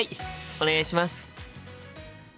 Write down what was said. お願いします。